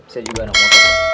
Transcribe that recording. saya juga anak motor